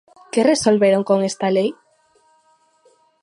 ¿Que resolveron con esta lei?